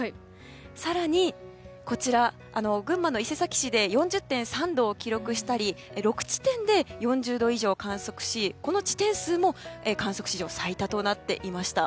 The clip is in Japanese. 更に群馬の伊勢崎市で４０．３度を記録したり６地点で４０度以上を観測しこの地点数も観測史上最多となっていました。